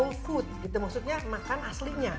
ho flakes itu maksudnya makan aslinya